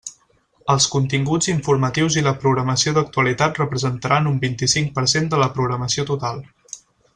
Els continguts informatius i la programació d'actualitat representaran un vint-i-cinc per cent de la programació total.